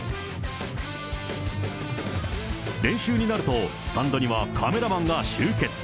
練習になると、スタンドにはカメラマンが集結。